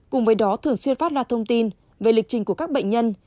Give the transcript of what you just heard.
cùng với đó thường xuyên phát ra thông tin về lịch trình của các bệnh nhân